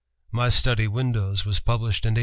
"My Study Windows" was published in 1871.